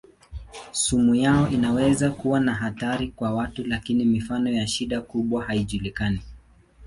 Sumu yao inaweza kuwa na hatari kwa watu lakini mifano ya shida kubwa haijulikani.